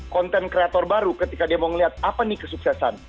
konten kreator baru ketika dia mau ngeliat apa nih kesuksesan